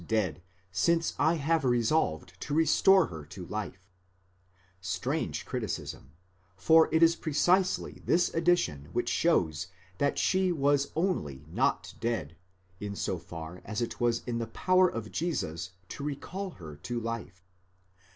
479 dead, since I have resolved to restore her to life; strange criticism,— for it is precisely this addition which shows that she was only not dead, in so far as it was in the power of Jesus to recall her to life.